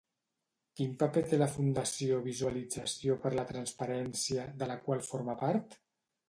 Quin paper té la Fundació Visualització per la Transparència, de la qual forma part?